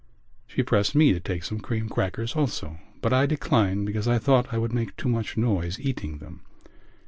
She pressed me to take some cream crackers also but I declined because I thought I would make too much noise eating them.